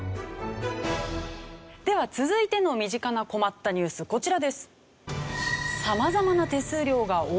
では続いての身近な困ったニュースこちらです。